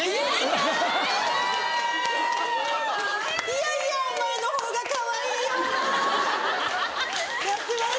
いやいやお前の方がかわいいよ！ってやってます。